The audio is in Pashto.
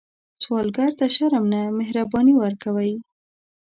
سوالګر ته شرم نه، مهرباني ورکوئ